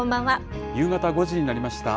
夕方５時になりました。